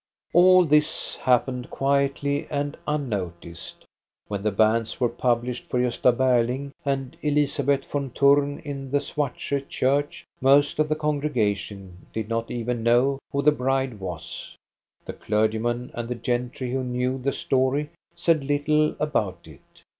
All this happened quietly and unnoticed. When the banns were published for Gosta Berling and Elizabeth von Thurn in the Svartsjo church, most of the congregation did not even know who the bride was. The clergyman and the gentry who knew the story said little about it.